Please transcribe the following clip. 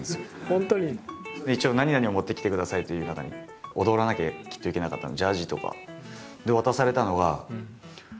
本当に？で一応何々を持ってきてくださいという中に踊らなきゃきっといけなかったのでジャージとか。